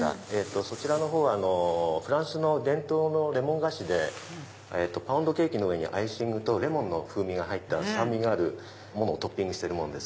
そちらのほうはフランスの伝統のレモン菓子でパウンドケーキの上にアイシングとレモンの風味が入った酸味があるものをトッピングしているものです。